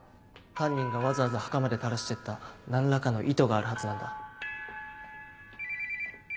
犯人がわざわざ墓まで垂らしてった何らかの意図があるはずなんだ。